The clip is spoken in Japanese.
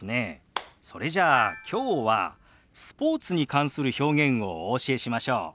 それじゃあきょうはスポーツに関する表現をお教えしましょう。